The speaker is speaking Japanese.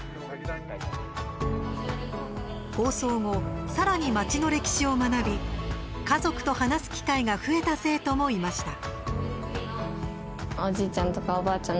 放送後、さらに町の歴史を学び家族と話す機会が増えた生徒もいました。